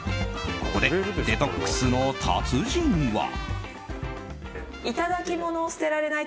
ここで、デトックスの達人は。